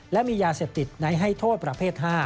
และมียาเสพติดไหนให้โทษประเภท๕